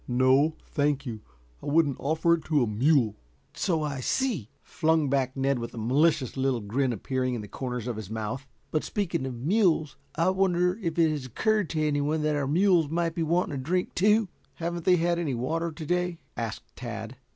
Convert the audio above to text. "No, thank you. I wouldn't offer it to a mule." "So I see," flung back Ned, with a malicious little grin appearing in the corners of his mouth. "But speaking of mules, I wonder if it has occurred to anyone that our mules might be wanting a drink, too." "Haven't they had any water to day?" asked Tad.